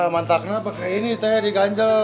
mantaknya pakai ini teh diganjel